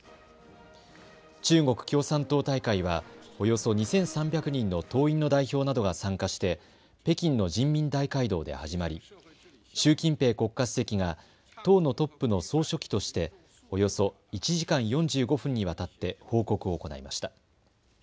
中国共産党大会はおよそ２３００人の党員の代表などが参加して北京の人民大会堂で始まり、習近平国家主席が党のトップの総書記としておよそ１時間４５分にわたって報告を行いました。